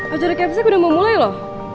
acara kentasnya udah mau mulai loh